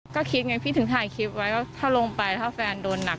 ก็คิดไงพี่ถึงถ่ายคลิปไว้ว่าถ้าลงไปถ้าแฟนโดนหนัก